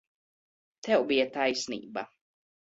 Tev bija taisnība.